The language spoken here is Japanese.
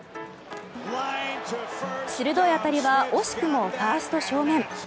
鋭い当たりは惜しくもファースト正面。